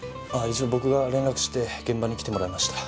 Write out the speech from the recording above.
一応僕が連絡して現場に来てもらいました。